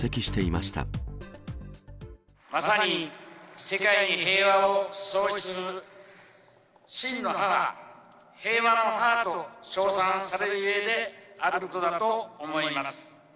まさに世界に平和を創出する真の母、平和の母と称賛されるゆえんであることだと思います。